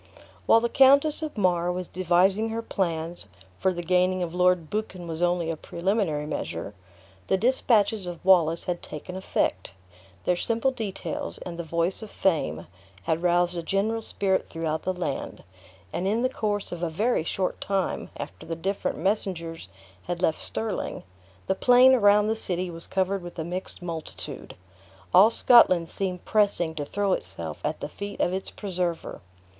While the Countess of Mar was devising her plans (for the gaining of Lord Buchan was only a preliminary measure), the dispatches of Wallace had taken effect. Their simple details, and the voice of fame, had roused a general spirit throughout the land; and in the course of a very short time after the different messengers had left Stirling, the plain around the city was covered with a mixed multitude. All Scotland seemed pressing to throw itself at the feet of its preserver.